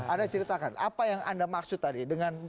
anda ceritakan apa yang anda maksud tadi